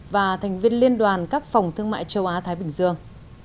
và thành viên liên đoàn các phòng thương mại châu á thái bình dương